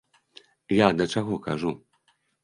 Я да чаго кажу?